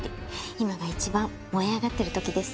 今が一番燃え上がってる時です。